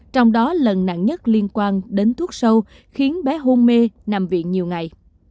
trong đó lần nặng nhất liên quan đến thuốc sâu khiến bé hôn mê nằm viện nhiều ngày